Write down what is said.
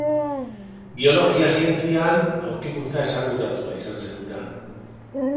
Biologia zientzian aurkikuntza esanguratsua izan zen hura.